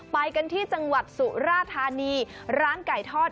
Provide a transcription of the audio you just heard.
ไปกันที่จังหวัดสุราธานีร้านไก่ทอด